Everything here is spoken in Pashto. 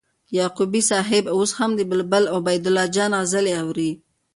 یعقوبی صاحب اوس هم د بلبل عبیدالله جان غزلي اوري